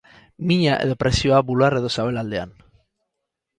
Mina edo presioa bular edo sabelaldean.